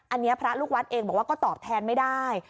อันนี้พระลูกวัดเองบอกว่าก็ตอบแทนไม่ได้